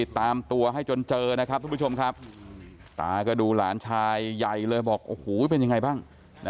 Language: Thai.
ตามตัวให้จนเจอนะครับทุกผู้ชมครับตาก็ดูหลานชายใหญ่เลยบอกโอ้โหเป็นยังไงบ้าง